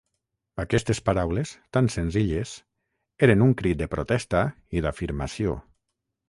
Aquestes paraules, tan senzilles, eren un crit de protesta i d’afirmació.